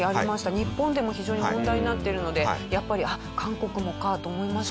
日本でも非常に問題になっているのでやっぱりあっ韓国もかと思いますよね。